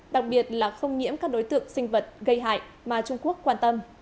đặc biệt là không nhiễm các đối tượng sinh vật gây hại mà trung quốc quan tâm